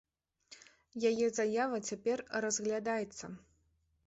Яе заява цяпер разглядаецца.